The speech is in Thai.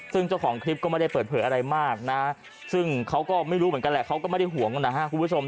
ซึ่งเจ้าของคลิปก็ไม่ได้เปิดเผยอะไรมากนะซึ่งเขาก็ไม่รู้เหมือนกันแหละเขาก็ไม่ได้ห่วงนะฮะคุณผู้ชม